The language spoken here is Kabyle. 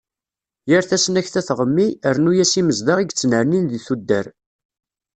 Yir tasnakta tɣemmi, rnu-as imezdaɣ i yettnernin di tuddar.